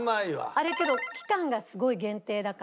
あれけど期間がすごい限定だから。